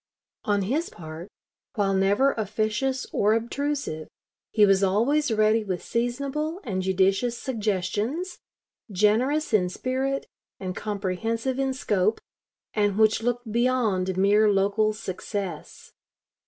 On his part, while never officious or obtrusive, he was always ready with seasonable and judicious suggestions, generous in spirit and comprehensive in scope, and which looked beyond mere local success.